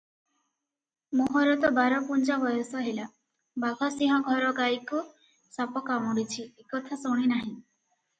ମୋହର ତ ବାରପୁଞ୍ଜା ବୟସ ହେଲା, 'ବାଘସିଂହ ଘର ଗାଈକୁ ସାପ କାମୁଡ଼ିଛି', ଏକଥା ଶୁଣି ନାହିଁ।